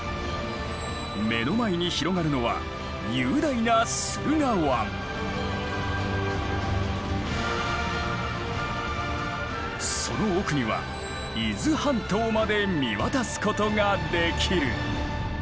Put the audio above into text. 目の前に広がるのは雄大なその奥には伊豆半島まで見渡すことができる。